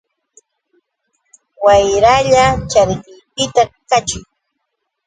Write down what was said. Wayralla charkiykita kaćhuy.